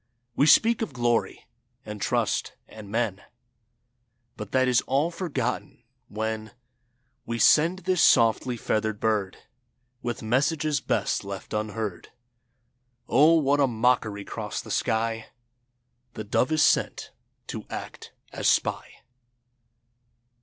We speak of Glory, and Trust, and Men, But that is all forgotten when We send this softly feathered bird With messages best left unheard. Oh ! What a mockery 'cross the sky The dove is sent to act as spy.